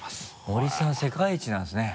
森さん世界一なんですね。